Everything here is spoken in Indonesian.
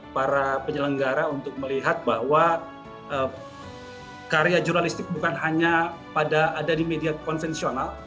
para penyelenggara untuk melihat bahwa karya jurnalistik bukan hanya ada di media konvensional